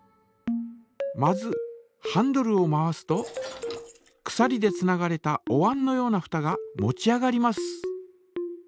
まずハンドルを回すとくさりでつながれたおわんのようなふたが持ち上がります。